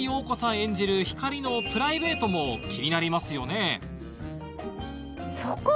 演じるひかりのプライベートも気になりますよね